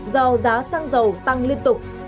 do giá xăng dầu tăng liên tục